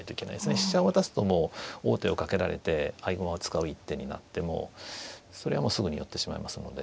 飛車を渡すともう王手をかけられて合駒を使う一手になってもうそれはもうすぐに寄ってしまいますので。